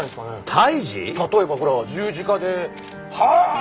例えばほら十字架でハーッ！